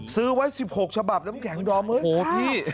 ซื้อไว้๑๖ฉบับน้ำแข็งดอมเฮ้ยพี่